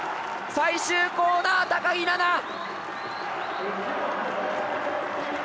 最終コーナー、高木菜那！